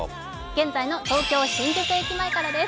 現在の東京・新宿駅前からです。